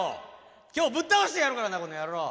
今日ぶっ倒してやるからなこの野郎！